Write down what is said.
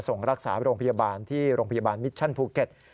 ส่งรักษาโรงพยาบาลที่โรงพยาบาลมิชชั่นภูเก็ต